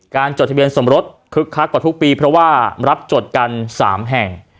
จดทะเบียนสมรสคึกคักกว่าทุกปีเพราะว่ารับจดกัน๓แห่ง